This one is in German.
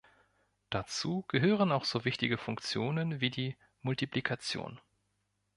Dazu gehören auch so wichtige Funktionen wie die Multiplikation.